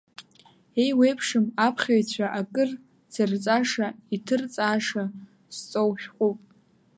Еиуеиԥшым аԥхьаҩцәа акыр дзырҵаша, иҭырҵааша зҵоу шәҟәуп.